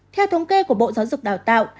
theo thống kê của bộ giáo dục đào tạo